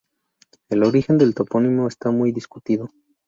El origen del topónimo está muy discutido.